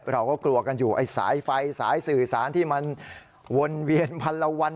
เราก็กลัวกันอยู่ไอ้สายไฟสายสื่อสารที่มันวนเวียนพันละวัน